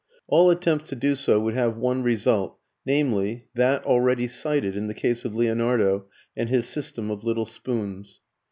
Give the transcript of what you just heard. All attempts to do so would have one result, namely, that already cited in the case of Leonardo and his system of little spoons.